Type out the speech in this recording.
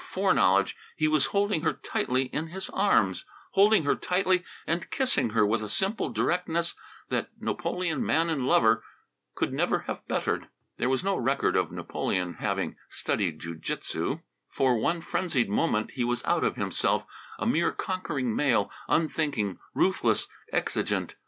And then, preposterously, without volition, without foreknowledge, he was holding her tightly in his arms; holding her tightly and kissing her with a simple directness that "Napoleon, Man and Lover," could never have bettered. There is no record of Napoleon having studied jiu jitsu. For one frenzied moment he was out of himself, a mere conquering male, unthinking, ruthless, exigent.